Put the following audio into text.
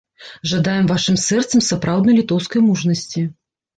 Жадаем вашым сэрцам сапраўднай літоўскай мужнасці!